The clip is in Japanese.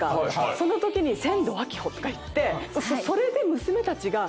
そのときに「千堂あきほ」とか言ってそれで。